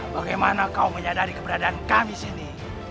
bagaimana kau menyadari keberadaan kami sini